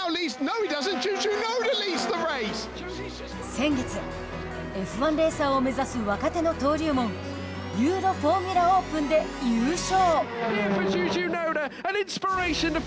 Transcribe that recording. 先月、Ｆ１レーサーを目指す若手の登竜門ユーロ・フォーミュラ・オープンで優勝。